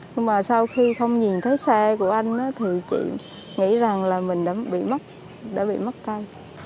nhưng mà sau khi không nhìn thấy xe của anh thì chị nghĩ rằng là mình đã bị mất đã bị mất tay